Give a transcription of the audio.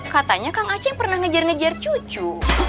katanya kang aceh pernah ngejar ngejar cucu